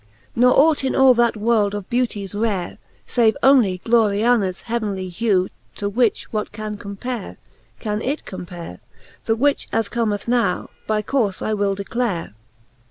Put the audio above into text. Ne ought in all that world of beauties rare, (Save only Glorianaes heavenly hew. To which what can compare?) can it compare; The which, as commeth now by courfe, I will declare.